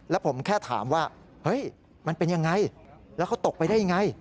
แล้วผมแค่ถามว่ามันเป็นอย่างไรแล้วเขาตกไปได้อย่างไร